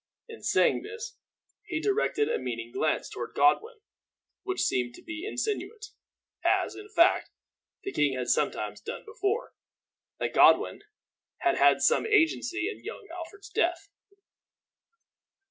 In saying this he directed a meaning glance toward Godwin, which seemed to insinuate, as, in fact, the king had sometimes done before, that Godwin had had some agency in young Alfred's death.